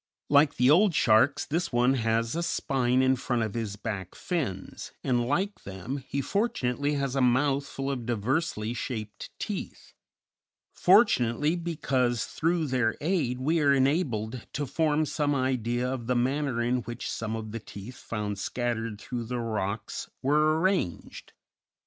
Like the old sharks, this one has a spine in front of his back fins, and, like them, he fortunately has a mouthful of diversely shaped teeth; fortunately, because through their aid we are enabled to form some idea of the manner in which some of the teeth found scattered through the rocks were arranged.